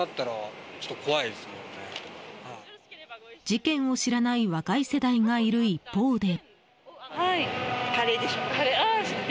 事件を知らない若い世代がいる一方で。